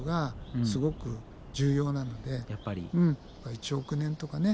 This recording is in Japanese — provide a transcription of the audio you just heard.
１億年とかね